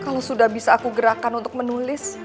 kalau sudah bisa aku gerakan untuk menulis